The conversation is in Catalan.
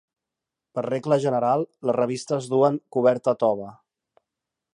Per regla general les revistes duen coberta tova.